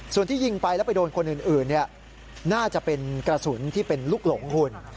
ส่วนที่ยิงไปแล้วไปโดนคนอื่นน่าจะเป็นกระสุนที่เป็นลูกหลงคุณ